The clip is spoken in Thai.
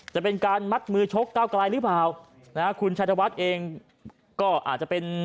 จะเป็นการมัดมือชกเก้าไกลหรือเปล่านะฮะคุณชัยธวัฒน์เองก็อาจจะเป็น